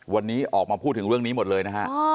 วันนี้ออกมาพูดถึงเรื่องนี้หมดเลยนะฮะ